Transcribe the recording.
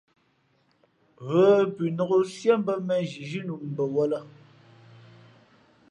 Ghə pʉnok siē mbᾱ mēnzhi zhínu bαwᾱlᾱ.